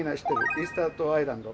イースター島アイランド。